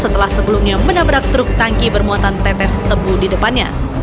setelah sebelumnya menabrak truk tangki bermuatan tetes tebu di depannya